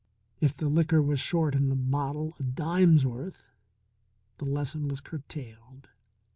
If the liquor was short in the bottle a dime's worth, the lesson was curtailed.